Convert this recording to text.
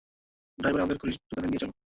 Driver, আমাদেরকে ঘড়ির দোকানে নিয়ে চল।